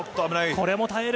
これも耐える。